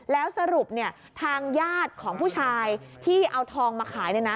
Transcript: แล้วสรุปทางญาติของผู้ชายที่เอาทองมาขาย